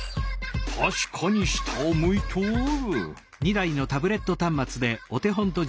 たしかに下を向いとる。